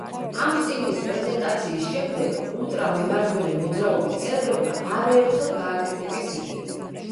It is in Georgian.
ამ წიგნის პრეზენტაციის შემდეგ ულტრამემარჯვენე მოძრაობის წევრებმა არაერთხელ გააკრიტიკეს იგი.